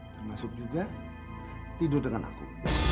termasuk juga tidur dengan aku